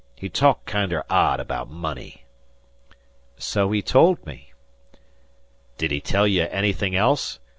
He talked kinder odd about money." "So he told me." "Did he tell ye anything else?